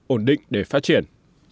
ổn định để phát triển